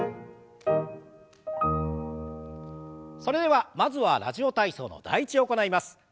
それではまずは「ラジオ体操」の「第１」を行います。